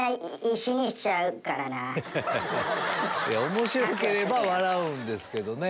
面白ければ笑うんですけどね。